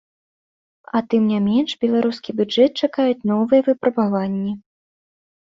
А тым не менш, беларускі бюджэт чакаюць новыя выпрабаванні.